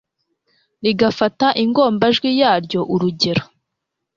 rigafata ingombajwi yaryo urugero